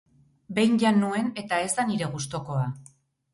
Behin jan nuen eta ez da nire gustukoa.